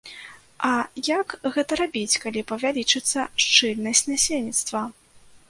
А як гэта рабіць, калі павялічыцца шчыльнасць насельніцтва?